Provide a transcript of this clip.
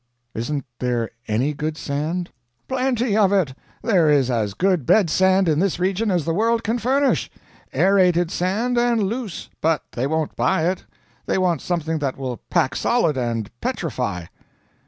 "Isn't there any good sand?" "Plenty of it. There is as good bed sand in this region as the world can furnish. Aerated sand and loose; but they won't buy it. They want something that will pack solid, and petrify."